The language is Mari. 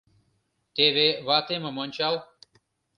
Теве ватемым ончал!